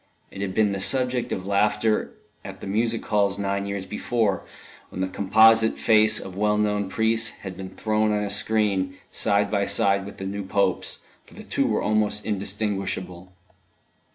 It had been the subject of laughter at the music halls nine years before, when the composite face of well known priests had been thrown on a screen, side by side with the new Pope's, for the two were almost indistinguishable.